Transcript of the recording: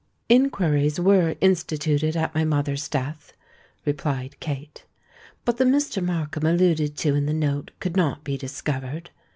"Inquiries were instituted at my mother's death," replied Kate; "but the Mr. Markham alluded to in the note could not be discovered.